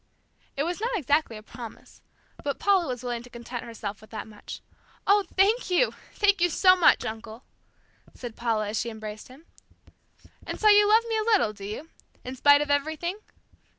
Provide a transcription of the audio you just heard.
It was not exactly a promise, but Paula was willing to content herself with that much. "Oh, thank you, thank you so much, uncle," said Paula as she embraced him. "And so you love me a little, do you? In spite of everything?"